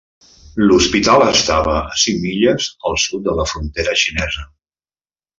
L'hospital estava a cinc milles al sud de la frontera xinesa.